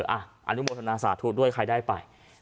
อันนุโมทนาศาสตร์ทูปด้วยใครได้ไป